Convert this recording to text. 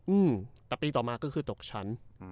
อืมแต่ปีต่อมาก็คือตกชั้น